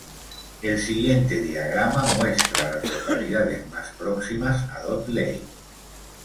El siguiente diagrama muestra a las localidades más próximas a Dot Lake.